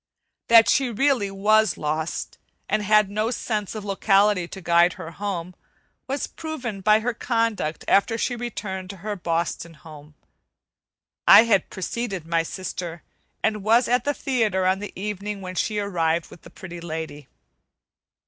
That she really was lost, and had no sense of locality to guide her home, was proven by her conduct after she returned to her Boston home. I had preceded my sister, and was at the theatre on the evening when she arrived with the Pretty Lady.